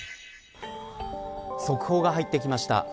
速報が入ってきました。